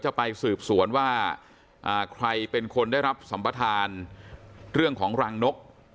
จะไปสืบสวนว่าใครเป็นคนได้รับสัมปทานเรื่องของรังนก